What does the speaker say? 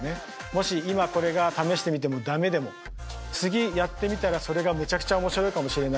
もし今これが試してみても駄目でも次やってみたらそれがむちゃくちゃ面白いかもしれない。